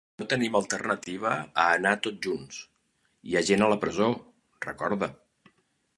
No tenim alternativa a anar tots junts, hi ha gent a la presó, recorda.